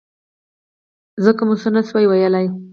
ځکه مو څه نه شول ویلای.